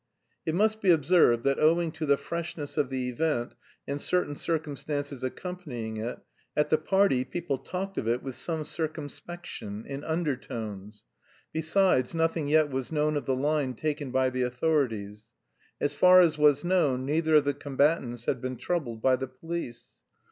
It must be observed that owing to the freshness of the event, and certain circumstances accompanying it, at the party people talked of it with some circumspection, in undertones. Besides, nothing yet was known of the line taken by the authorities. As far as was known, neither of the combatants had been troubled by the police.